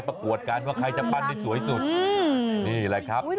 ประกวดการว่าใครจะปั้นได้สวยสุด